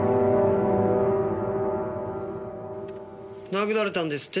殴られたんですって？